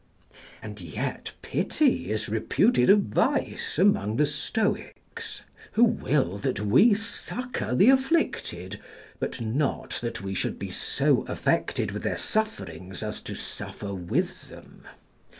And yet pity is reputed a vice amongst the Stoics, who will that we succour the afflicted, but not that we should be so affected with their sufferings as to suffer with them.